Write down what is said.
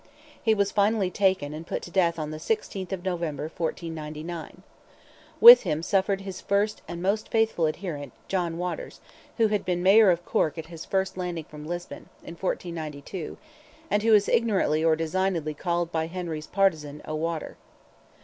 He was finally taken and put to death on the 16th of November, 1499. With him suffered his first and most faithful adherent, John Waters, who had been Mayor of Cork at his first landing from Lisbon, in 1492, and who is ignorantly or designedly called by Henry's partizan "O'Water."